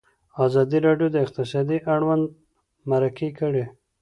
ازادي راډیو د اقتصاد اړوند مرکې کړي.